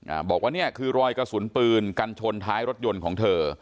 บอกว่าเนี่ยคือรอยกระสุนปืนกันชนท้ายรถยนต์ของเธอ